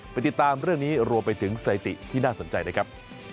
ติดตามเรื่องนี้รวมไปถึงสถิติที่น่าสนใจนะครับ